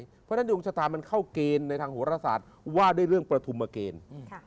เพราะฉะนั้นดวงชะตามันเข้าเกณฑ์ในทางโหรศาสตร์ว่าด้วยเรื่องประธุมเกณฑ์